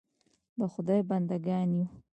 د خدای بنده ګان یو .